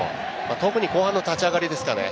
特に後半の立ち上がりですかね。